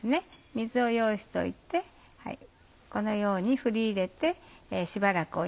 水を用意しといてこのように振り入れて。